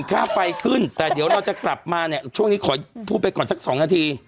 ค่าไฟขึ้นแต่เดี๋ยวเราจะกลับมาเนี่ยช่วงนี้ขอพูดไปก่อนสัก๒นาที